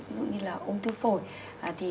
ví dụ như là ung thư phổi